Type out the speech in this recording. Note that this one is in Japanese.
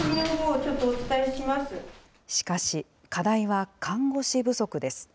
しかし、課題は看護師不足です。